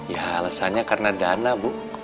ya alasannya karena dana bu